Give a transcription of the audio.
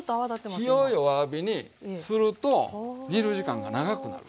だから火を弱火にすると煮る時間が長くなる。